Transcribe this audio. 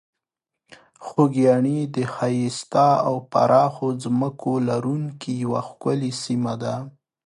خوږیاڼي د ښایسته او پراخو ځمکو لرونکې یوه ښکلې سیمه ده.